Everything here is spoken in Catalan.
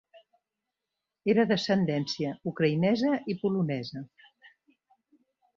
Era d’ascendència ucraïnesa i polonesa.